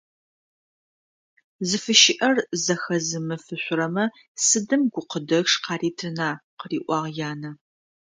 «Зыфыщыӏэр зэхэзымыфышъурэмэ сыдым гукъыдэчъ къаритына?»,- къыриӏуагъ янэ.